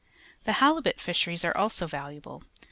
The halibut fisheries are also valuable.